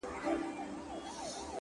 څو؛ د ژوند په دې زوال کي کړې بدل،